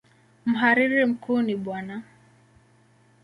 Mhariri mkuu ni Bw.